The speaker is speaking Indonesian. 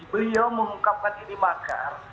beliau mengungkapkan ini makar